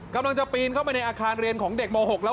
กำลังจะปีนเข้าไปในอาคารเรียนของเด็กม๖แล้ว